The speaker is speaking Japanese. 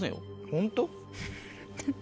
ホント？